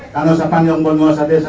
tanah sapan yang pembuasa desa